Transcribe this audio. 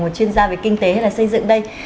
một chuyên gia về kinh tế hay là xây dựng đây